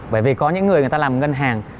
bởi vì có những người người ta làm ngân hàng